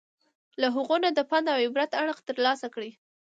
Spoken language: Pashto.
له هغو نه د پند او عبرت اړخ ترلاسه کړي.